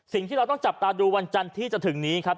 สิ่งที่เราต้องจับตาดูวันจันทร์ที่จะถึงนี้ครับ